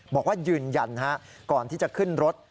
บอกว่ายืนยันก่อนที่จะขึ้นรถ